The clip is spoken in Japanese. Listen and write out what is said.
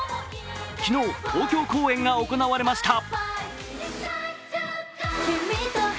昨日、東京公演が行われました。